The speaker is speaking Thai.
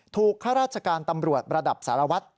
ข้าราชการตำรวจระดับสารวัตร